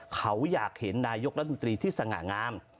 เขาอยากเห็นนายกรัฐมนตรีที่สง่างาม